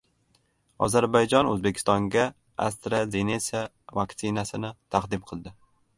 Ozarbayjon O‘zbekistonga AstraZeneca vaktsinacini taqdim qildi